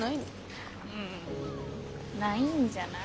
うんないんじゃない？